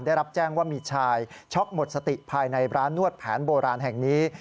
ได้รับแจ้งว่ามีชายช็อกหมดสติภายในร้านนวดแผนโบราณแห่งนี้